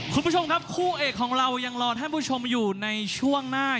คุณผู้ชมครับคู่เอกของเรายังรอท่านผู้ชมอยู่ในช่วงหน้า